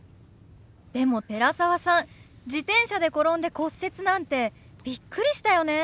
でも寺澤さん自転車で転んで骨折なんてビックリしたよね。